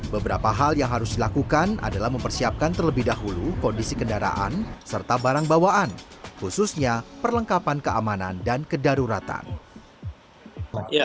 beberapa hal yang harus dilakukan adalah mempersiapkan terlebih dahulu kondisi kendaraan serta barang bawaan khususnya perlengkapan keamanan dan kedaruratan